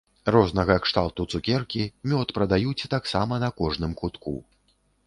Рознага кшталту цукеркі, мёд прадаюць таксама на кожным кутку.